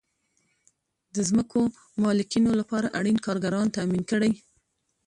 د ځمکو مالکینو لپاره اړین کارګران تامین کړئ.